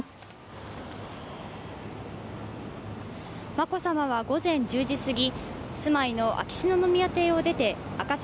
眞子さまは午前１０時すぎ、住まいの秋篠宮邸を出て赤坂